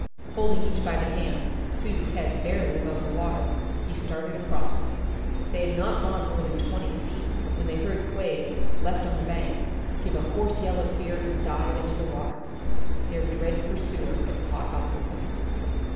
Holding each by the hand, Sue's head barely above the water, he started across. They had not gone more than twenty feet when they heard Quade, left on the bank, give a hoarse yell of fear and dive into the water. Their dread pursuer had caught up with them.